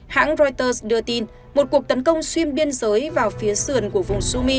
hãng reuters đưa tin một cuộc tấn công xuyên biên giới vào phía sườn của vùng sumi